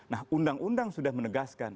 nah undang undang sudah menegaskan